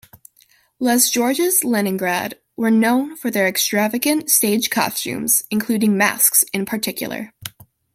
Les Georges Leningrad were known for their extravagant stage costumes, including masks in particular.